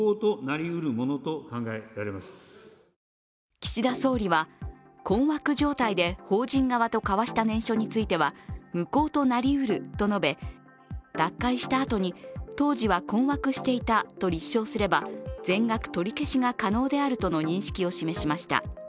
岸田総理は困惑状態で法人側と交わした念書については無効となりうると述べ脱会したあとに当時は困惑していたと立証すれば全額取り消しが可能であるとの認識を示しました。